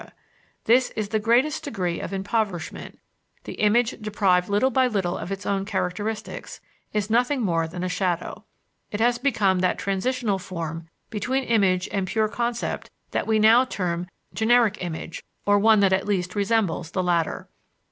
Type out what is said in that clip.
This is the greatest degree of impoverishment; the image, deprived little by little of its own characteristics, is nothing more than a shadow. It has become that transitional form between image and pure concept that we now term "generic image," or one that at least resembles the latter.